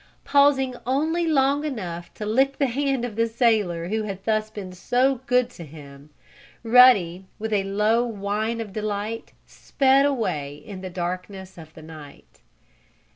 Pausing only long enough to lick the hand of the sailor who had thus been so good to him, Ruddy, with a low whine of delight, sped away in the darkness of the night.